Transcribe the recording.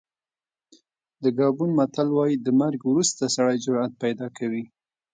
د ګابون متل وایي د مرګ وروسته سړی جرأت پیدا کوي.